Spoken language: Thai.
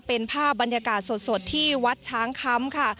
เป็นภาพบรรยากาศสดที่วัดช้างคำค่ะ